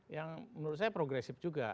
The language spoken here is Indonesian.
yang menurut saya progresif juga